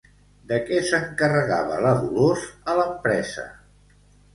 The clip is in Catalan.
De què s'encarregava la Dolors a l'empresa?